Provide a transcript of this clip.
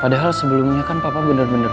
padahal sebelumnya kan papa bener bener